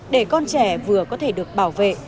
để con trẻ vừa có thể được bảo vệ